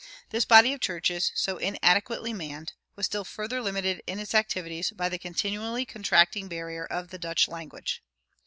This body of churches, so inadequately manned, was still further limited in its activities by the continually contracting barrier of the Dutch language.